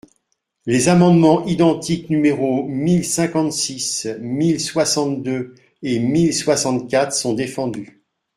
Les amendements identiques numéros mille cinquante-six, mille soixante-deux et mille soixante-quatre sont défendus.